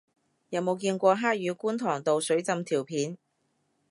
有冇見過黑雨觀塘道水浸條片